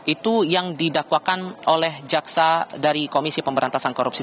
itu yang didakwakan oleh jaksa dari komisi pemberantasan korupsi